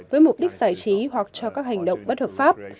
với mục đích giải trí hoặc cho các hành động bất hợp pháp